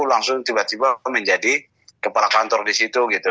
langsung tiba tiba menjadi kepala kantor di situ gitu